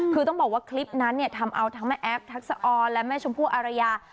คือต้องบอกว่าคลิปนั้นเนี่ยทำเอาทั้งแม่แอฟทักษะออนและแม่ชมพู่อารยา